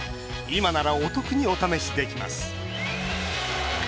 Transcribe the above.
「今ならお得にお試しできます」